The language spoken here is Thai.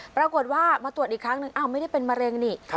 ปรากฏว่ามาตรวจอีกครั้งนึงไม่ได้เป็นแมร่งนี่